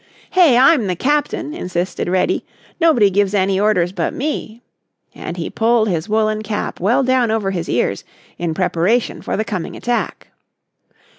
"Hey, I'm the Captain," insisted Reddy. "Nobody gives any orders but me," and he pulled his woolen cap well down over his ears in preparation for the coming attack.